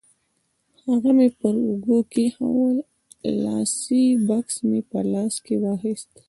هغه مې پر اوږه کېښوول، لاسي بکس مې په لاس کې واخیست.